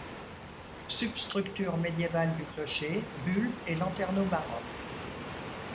Substructure médiévale du clocher, bulbe et lanterneau baroques.